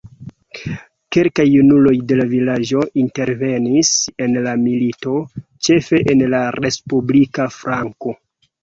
Kelkaj junuloj de la vilaĝo intervenis en la milito, ĉefe en la respublika flanko.